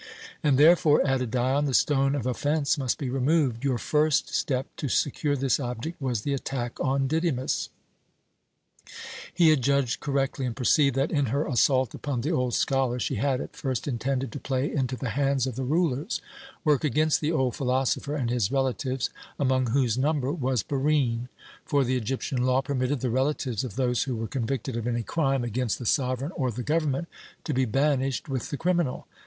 "And therefore," added Dion, "the stone of offence must be removed. Your first step to secure this object was the attack on Didymus." He had judged correctly and perceived that, in her assault upon the old scholar, she had at first intended to play into the hands of the rulers, work against the old philosopher and his relatives, among whose number was Barine; for the Egyptian law permitted the relatives of those who were convicted of any crime against the sovereign or the government to be banished with the criminal.